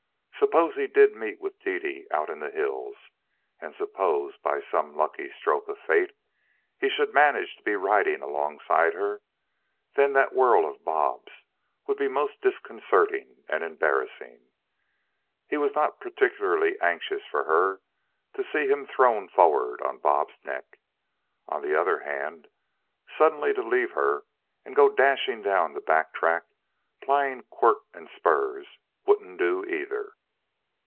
Suppose he did meet with Dede out in the hills; and suppose, by some lucky stroke of fate, he should manage to be riding alongside of her; then that whirl of Bob's would be most disconcerting and embarrassing. He was not particularly anxious for her to see him thrown forward on Bob's neck. On the other hand, suddenly to leave her and go dashing down the back track, plying quirt and spurs, wouldn't do, either.